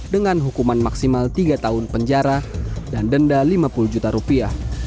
dengan hukuman maksimal tiga tahun penjara dan denda lima puluh juta rupiah